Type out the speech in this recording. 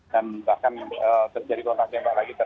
dan bahkan terjadi kontak gempa lagi